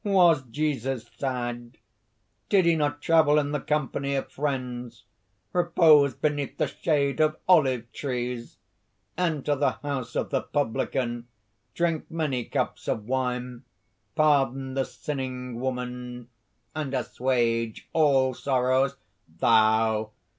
Was Jesus sad? Did he not travel in the company of friends, repose beneath the shade of olive trees, enter the house of the publican, drink many cups of wine, pardon the sinning woman, and assuage all sorrows? Thou!